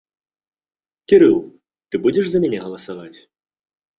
Кірыл, ты будзеш за мяне галасаваць?